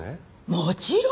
もちろん！